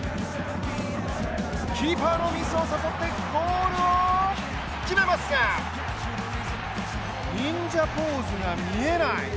キーパーのミスを誘ってゴールを決めますが忍者ポーズが見えない。